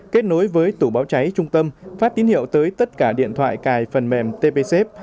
kết nối với tủ báo cháy trung tâm phát tín hiệu tới tất cả điện thoại cài phần mềm tpp